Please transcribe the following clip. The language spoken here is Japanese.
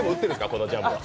このジャムは。